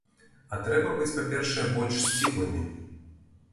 А трэба быць, па-першае, больш сціплымі.